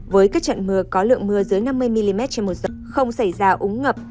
với các trận mưa có lượng mưa dưới năm mươi mm trên một giật không xảy ra úng ngập